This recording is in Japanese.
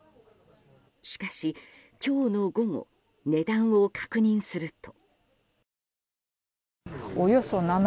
しかし、今日の午後値段を確認すると。